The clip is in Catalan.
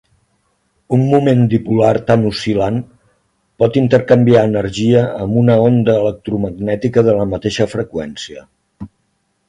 Un moment dipolar tan oscil·lant pot intercanviar energia amb una onda electromagnètica de la mateixa freqüència.